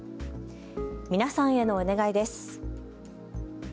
皆さんへのお願いです。